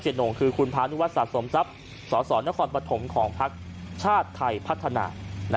เซียนโหน่งคือคุณพาณุวัสด์สมทรัพย์สอสรนครปฐมของพรรคชาติไทยพัฒนา